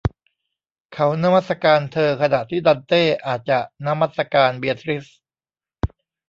เขานมัสการเธอขณะที่ดันเต้อาจจะนมัสการเบียทริซ